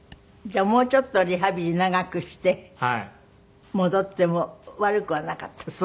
じゃあもうちょっとリハビリ長くして戻っても悪くはなかった？